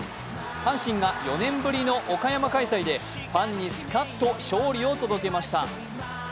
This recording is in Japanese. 阪神が４年ぶりの岡山開催でファンにスカッと勝利を届けました。